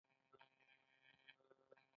آیا تولې وهل د شپون هنر نه دی؟